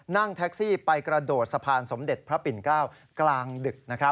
นั่งแท็กซี่ไปกระโดดสะพานสมเด็จพระปิ่น๙กลางดึก